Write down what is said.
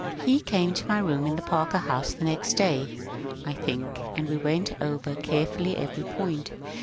He came to my room in the Parker House the next day, I think, and we went over carefully every point.